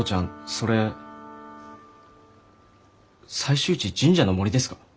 それ採集地神社の森ですか？